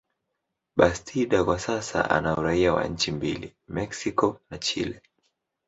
Bastida kwa sasa ana uraia wa nchi mbili, Mexico na Chile.